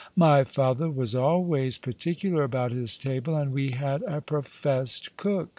My father was always particular about his table, and we had a professed cook.